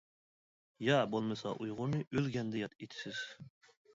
يا بولمىسا ئۇيغۇرنى، ئۆلگەندە ياد ئېتىسىز.